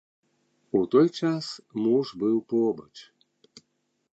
У той час муж быў побач.